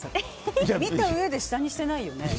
見たうえで下にしてないよね。